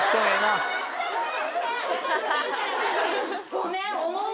ごめん。